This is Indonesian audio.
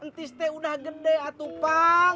entis teh udah gede atuh pak